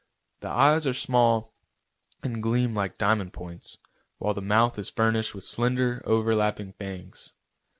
The eyes are small and gleam like diamond points, while the mouth is furnished with slender, overlapping fangs.